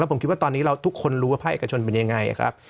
ผมคิดว่าตอนนี้ทุกคนรู้ว่าภาคเอกชนเป็นยังไงครับ